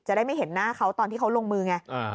ได้ไม่เห็นหน้าเขาตอนที่เขาลงมือไง